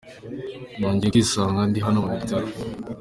Nongeye kwisanda ndi hano mu bitaro.